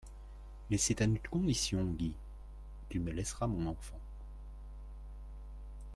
Mais c'est à une condition, Guy, tu me laisseras mon enfant.